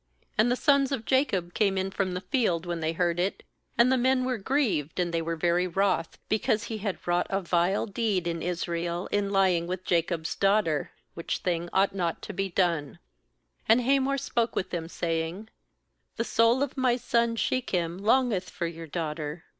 7And the sons of Jacob came in from the field when they heard it; and the men were grieved, and they were very wroth, because he had wrought a vile deed in Israel in lying with Jacob's daughter; which thing ought not to be done 8And Hamor spoke with them, saying: 'The soul of my son Shechem longeth for your daughter.